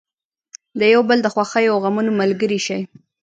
د یو بل د خوښیو او غمونو ملګري شئ.